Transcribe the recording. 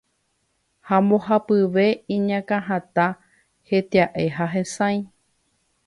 Ha mbohapyve iñakãhatã, hetia'e ha hesãi.